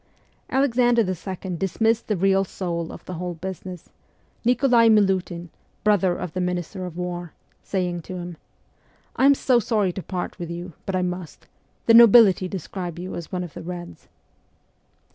Alexander II. dismissed the real soul ot the whole business, Nikolai Milutin (brother of the minister of war), saying to him, 'I am so sorry to part with you, but I must : the nobility describe you as one of the Reds.'